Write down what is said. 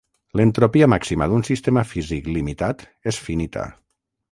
L'entropia màxima d'un sistema físic limitat és finita.